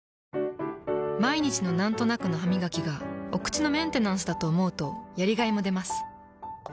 毎日のなんとなくのハミガキがお口のメンテナンスだと思うとやりがいもでます。